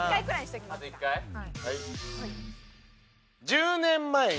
「１０年前に」